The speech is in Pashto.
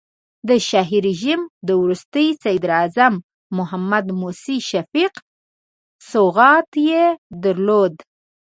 د شاهي رژیم د وروستي صدراعظم محمد موسی شفیق سوغات یې درلود.